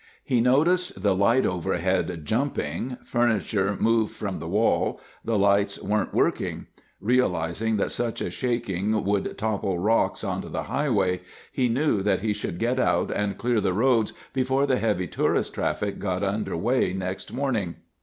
He noticed the light overhead jumping, furniture moved from the wall, the lights weren't working. Realizing that such a shaking would topple rocks onto the highway, he knew that he should get out and clear the roads before the heavy tourist traffic got underway next morning.